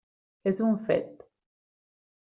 És un fet.